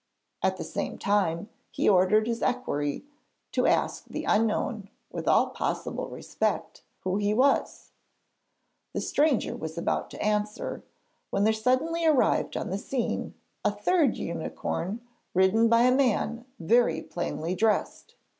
At the same time, he ordered his equerry to ask the unknown, with all possible respect, who he was. The stranger was about to answer, when there suddenly arrived on the scene a third unicorn ridden by a man very plainly dressed.